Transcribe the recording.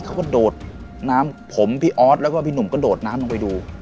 โดดน้ำผมพี่ออสแล้วก็พี่หนุ่มก็โดดน้ำลงไปดู